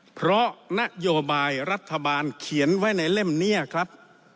เพราะนโยบายรัฐบาลเขียนไว้ในเล่มนี้ครับ